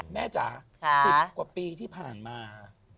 จ๋า๑๐กว่าปีที่ผ่านมา